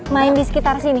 main di sekitar sini